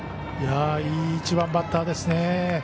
いい１番バッターですね。